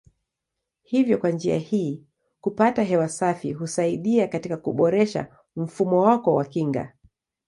Hivyo kwa njia hii kupata hewa safi husaidia katika kuboresha mfumo wako wa kinga.